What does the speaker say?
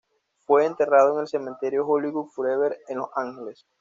Fue enterrado en el Cementerio Hollywood Forever, en Los Ángeles.